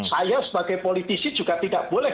saya sebagai politisi juga tidak boleh